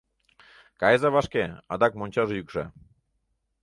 Кайыза вашке, адак мончаже йӱкша.